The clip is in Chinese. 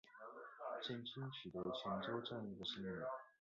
郑军取得泉州战役的胜利。